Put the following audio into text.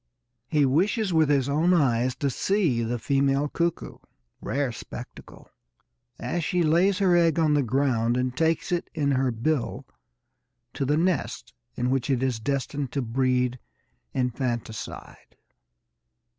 He wishes with his own eyes to see the female cuckoo rare spectacle! as she lays her egg on the ground and takes it in her bill to the nest in which it is destined to breed infanticide.